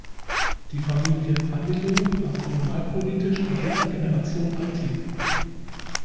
Die Familie van de Loo war kommunalpolitisch in dritter Generation aktiv.